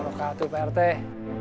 wabarakatuh pak kiai